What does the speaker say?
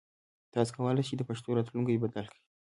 تاسو کولای شئ د پښتو راتلونکی بدل کړئ.